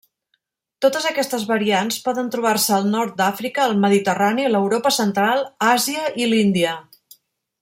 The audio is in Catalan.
Totes aquestes variants poden trobar-se al Nord d'Àfrica, el Mediterrani, l'Europa Central, Àsia i l'Índia.